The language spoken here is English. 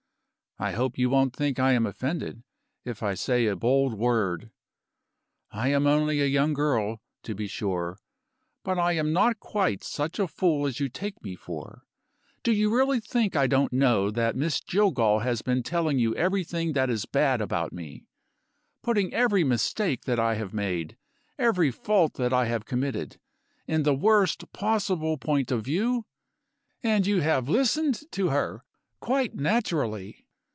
I hope you won't think I am offended, if I say a bold word. I am only a young girl, to be sure; but I am not quite such a fool as you take me for. Do you really think I don't know that Miss Jillgall has been telling you everything that is bad about me; putting every mistake that I have made, every fault that I have committed, in the worst possible point of view? And you have listened to her quite naturally!